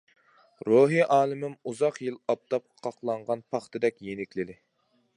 روھىي ئالىمىم ئۇزاق يىل ئاپتاپقا قاقلانغان پاختىدەك يېنىكلىدى.